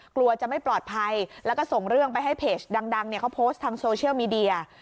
กลัวจะไม่ปลอดภัยแล้วก็ส่งเรื่องไปให้เพจดังเนี่ยเขาโพสต์ทางโซเชียลมีเดีย